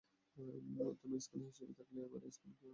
তুমি স্ক্যানার হিসেবে থাকলে এমআরআই স্ক্যান কী দরকার?